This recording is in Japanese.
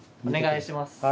お願いします。